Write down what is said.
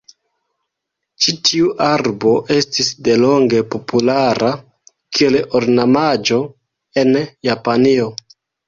Ĉi tiu arbo estis delonge populara kiel ornamaĵo en Japanio.